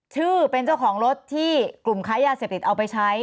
ชื่อเป็นเจ้าของรถที่กลุ่มค้ายาเสพติดเอาไปใช้